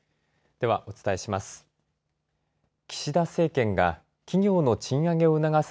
ではお伝えします。